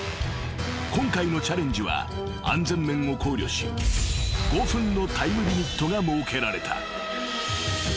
［今回のチャレンジは安全面を考慮し５分のタイムリミットが設けられた］